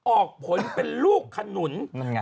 ออกผลเป็นลูกขนุน